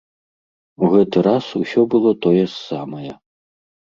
У гэты раз усё было тое ж самае.